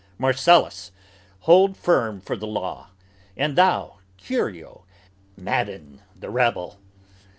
Marcellus, hold firm for the law! And thou, Curio, madden The rabble!